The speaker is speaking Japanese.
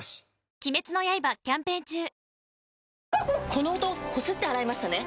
この音こすって洗いましたね？